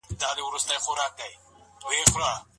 مهمه نکته دا ده چي زبير بن عوام صحابي و.